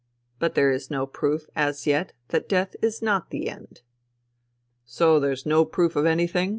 But there is no proof, as yet, that death is not the end." " So there is no proof of anything